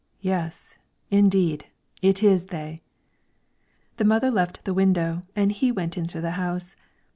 "Yes, indeed! it is they." The mother left the window, and he went into the house.